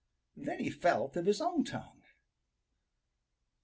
Then he felt of his own tongue.